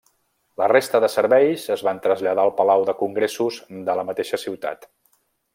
La resta de serveis es van traslladar al palau de congressos de la mateixa ciutat.